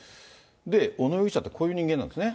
で、小野容疑者ってこういう人間なんですね。